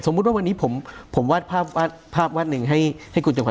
สมมุติว่าวันนี้ผมวาดภาพนึงให้คุณจอมขวัญ